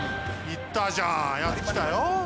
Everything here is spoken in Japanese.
いったじゃんヤツきたよ。